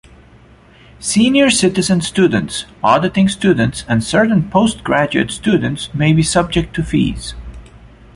Senior citizen students, auditing students, and certain postgraduate students may be subject to fees.